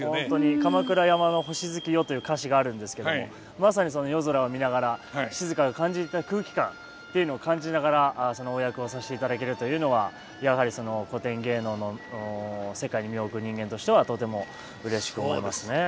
「鎌倉山の星月夜」という歌詞があるんですけどもまさにその夜空を見ながら静が感じた空気感っていうのを感じながらそのお役をさせていただけるというのはやはり古典芸能の世界に身を置く人間としてはとてもうれしく思いますね。